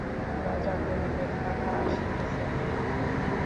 রাজা কহিলেন কাকা আসিতেছেন ধ্রুব।